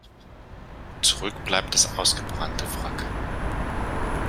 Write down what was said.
Zurück bleibt das ausgebrannte Wrack.